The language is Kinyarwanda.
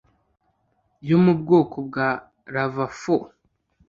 yo mubwoko bwa lava fo.